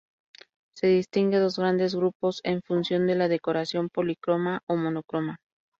Se distinguen dos grandes grupos, en función de la decoración: policroma o monocroma.